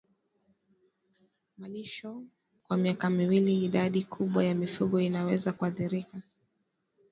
malisho kwa miaka miwili Idadi kubwa ya mifugo inaweza kuathirika